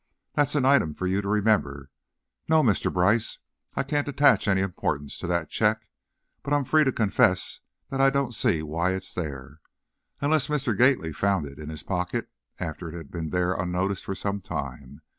That's an item for you to remember. No, Mr. Brice, I can't attach any importance to that check, but I'm free to confess I don't see why it's there. Unless Mr. Gately found it in his pocket after it had been there unnoticed for some time.